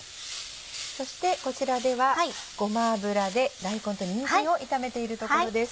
そしてこちらではごま油で大根とにんじんを炒めているところです。